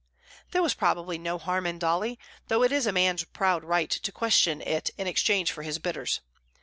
There was probably no harm in Dolly, though it is man's proud right to question it in exchange for his bitters.